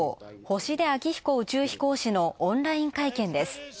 星出彰彦宇宙飛行士のオンライン会見です。